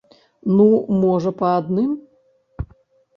Ну, можа, па адным.